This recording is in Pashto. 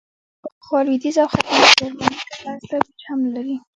پخوا لوېدیځ او ختیځ جرمني ترمنځ توپیر هم نه لري.